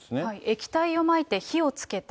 液体をまいて火をつけた。